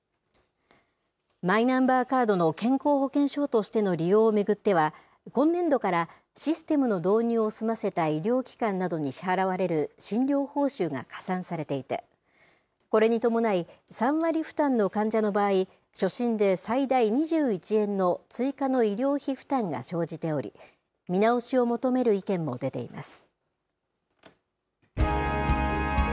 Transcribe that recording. マイナンバーカードの健康保険証としての利用を巡っては、今年度からシステムの導入を済ませた医療機関などに支払われる診療報酬が加算されていて、これに伴い、３割負担の患者の場合、初診で最大２１円の追加の医療費負担が生じており、見直しを求める意見も出ています。